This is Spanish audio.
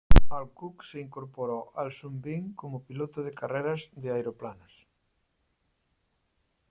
Alcock se incorporó a Sunbeam como piloto de carreras de aeroplanos.